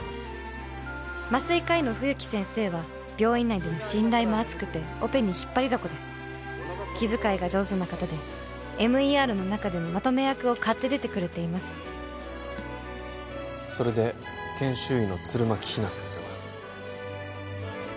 麻酔科医の冬木先生は病院内での信頼も厚くてオペに引っ張りだこです気遣いが上手な方でＭＥＲの中でもまとめ役をかってでてくれていますそれで研修医の弦巻比奈先生は？